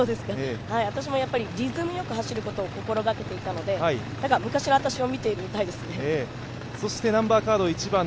私もリズムよく走ることを心がけていたので昔の私を見ているみたいですね。